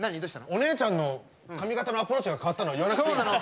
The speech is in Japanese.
お姉ちゃんの髪形のアプローチが変わったのは言わなくていいの？